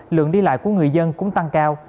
lượng đi lại của người dân cũng tăng cao